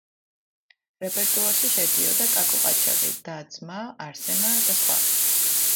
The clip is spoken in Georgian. რეპერტუარში შედიოდა „კაკო ყაჩაღი“, „და-ძმა“, „არსენა“ და სხვა.